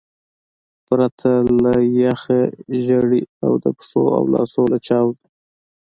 پرته له یخه ژیړي او د پښو او لاسو له چاودو.